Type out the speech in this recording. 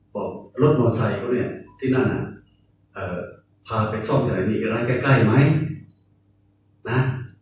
บอกรถนอนใสเขาเนี่ยที่นั่นอ่ะพาไปซ่อมที่ไหนมีร้านใกล้ไหมนะ